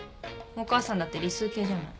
お母さんだって理数系じゃない。